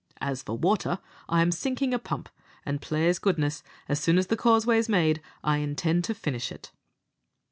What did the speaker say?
As for water, I am sinking a pump, and, plase goodness, as soon as the Causeway's made, I intend to finish it."